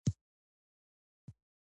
که مورنۍ ژبه وي نو ذهن روښانه وي.